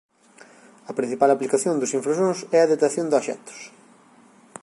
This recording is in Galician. A principal aplicación dos infrasóns é a detección de obxectos.